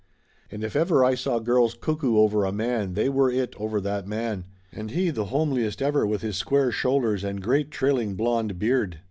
And if ever I saw girls cuckoo over a man they were it over that man. And he the homeliest ever, with his square shoulders and great trailing blond beard